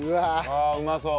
あうまそう。